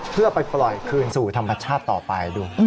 เพื่อไปปล่อยคืนสู่ธรรมชาติต่อไปดู